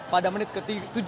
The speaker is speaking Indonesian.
pada menit ke tiga belas